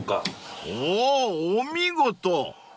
［おお見事！］